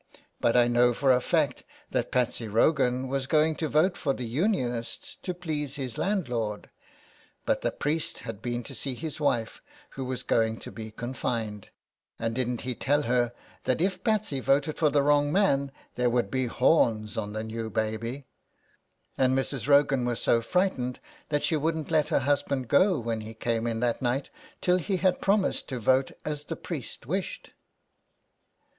But I know for a fact that Patsy Rogan was going to vote for the Unionist to please his landlord, but the priest had been to see his wife, who was going to be confined, and didn't he tell her that if Patsy voted for the wrong man there would be horns on the new baby, and Mrs. Rogan was so frightened that she wouldn't let her husband go when he came in that night till he had promised to vote as the priest wished."